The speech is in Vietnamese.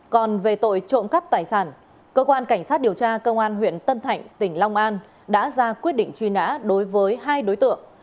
còn về tội trộm cắp tài sản cơ quan cảnh sát điều tra công an huyện tân thạnh tỉnh long an đã ra quyết định truy nã đối với hai đối tượng